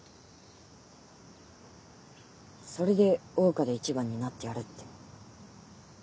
それで桜花で１番になってやるって。